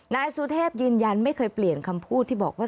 นายสุเทพยืนยันไม่เคยเปลี่ยนคำพูดที่บอกว่า